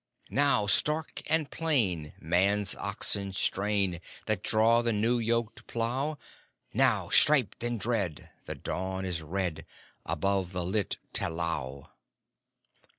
Now, stark and plain, Man's oxen strain, That draw the new yoked plow; Now, stripped and dread, the dawn is red Above the lit talao.